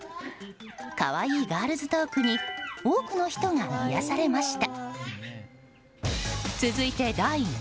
可愛いガールズトークに多くの人が癒やされました。